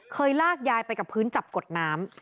ลากยายไปกับพื้นจับกดน้ำ